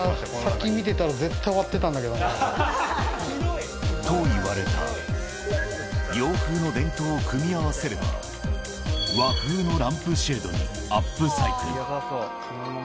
先に見てたら絶対割ってたんだけどな。と言われた洋風の電灯を組み合わせれば、和風のランプシェードにアップサイクル。